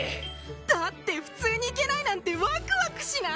だって普通に行けないなんてワクワクしない？